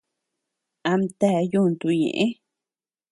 Amtea yuntu ñeʼë.